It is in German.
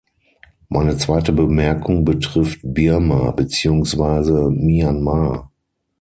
Meine zweite Bemerkung betrifft Birma beziehungsweise Myanmar.